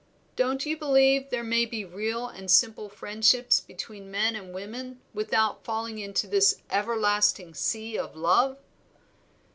Don't you believe there may be real and simple friendships between men and women without falling into this everlasting sea of love?"